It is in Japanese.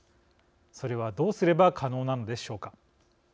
それは、どうすれば可能なのでしょうか。